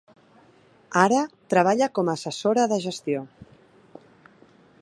Ara treballa com a assessora de gestió.